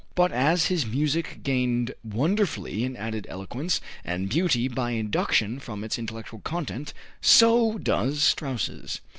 But as his music gained wonderfully in added eloquence and beauty by induction from its intellectual content, so does Strauss's.